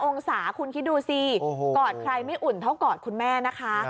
องศาคุณคิดดูสิกอดใครไม่อุ่นเท่ากอดคุณแม่นะคะ